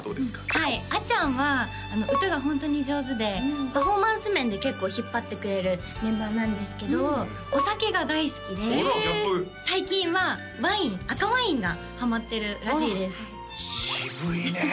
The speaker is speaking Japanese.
はいあちゃんは歌がホントに上手でパフォーマンス面で結構引っ張ってくれるメンバーなんですけどお酒が大好きで最近はワイン赤ワインがハマってるらしいです渋いね